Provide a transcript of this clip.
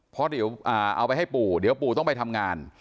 เพราะเดี๋ยวเอาไปให้ปู่เดี๋ยวปู่ต้องไปทำงาน